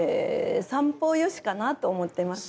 「三方よし」かなと思ってます。